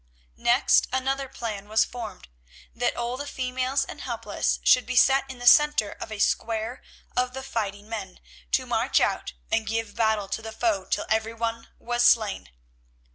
Next another plan was formed: that all the females and helpless should be set in the centre of a square of the fighting men, to march out and give battle to the foe till everyone was slain.